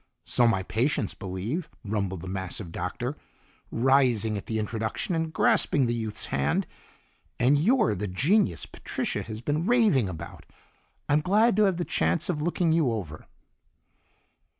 "So my patients believe," rumbled the massive Doctor, rising at the introduction, and grasping the youth's hand. "And you're the genius Patricia has been raving about. I'm glad to have the chance of looking you over."